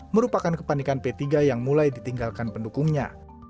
merupakan kepanikan p tiga yang mulai ditinggalkan pendukungnya